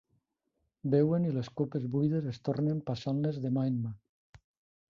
Beuen i les copes buides es tornen passant-les de mà en mà.